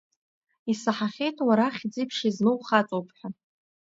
Исаҳахьеит уара хьӡи-ԥшеи змоу хаҵоуп ҳәа.